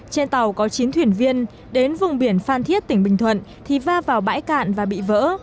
trên tàu có chín thuyền viên đến vùng biển phan thiết tỉnh bình thuận thì va vào bãi cạn và bị vỡ